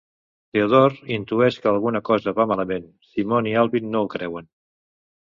Theodore intueix que alguna cosa va malament; Simon i Alvin no el creuen.